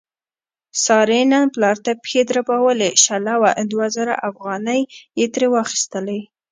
سارې نن پلار ته پښې دربولې، شله وه دوه زره افغانۍ یې ترې واخستلې.